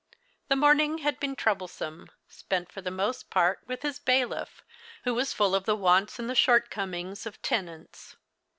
The morning had been trouble some, spent for the most part with his bailiff, who \\as full of the wants and the shortcomings of tenants.